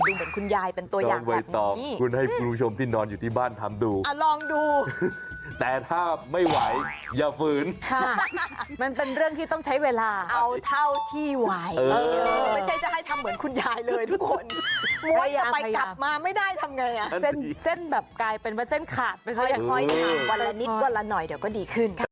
ดูเหมือนคุณยายเป็นตัวอย่างแบบนี้